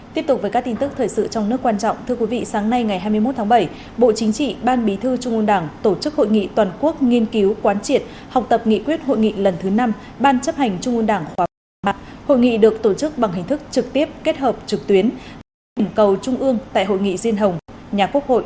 tiếp tục với các tin tức thời sự trong nước quan trọng thưa quý vị sáng nay ngày hai mươi một tháng bảy bộ chính trị ban bí thư trung ương đảng tổ chức hội nghị toàn quốc nghiên cứu quán triệt học tập nghị quyết hội nghị lần thứ năm ban chấp hành trung ương đảng khoa học hội nghị được tổ chức bằng hình thức trực tiếp kết hợp trực tuyến